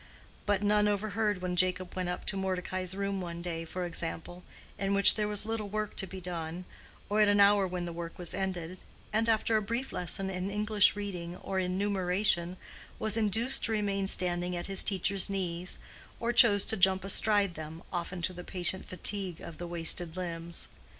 But none overheard when Jacob went up to Mordecai's room one day, for example, in which there was little work to be done, or at an hour when the work was ended, and after a brief lesson in English reading or in numeration, was induced to remain standing at his teacher's knees, or chose to jump astride them, often to the patient fatigue of the wasted limbs.